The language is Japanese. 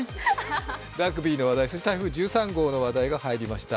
ラグビーの話題、台風の話題が入りました。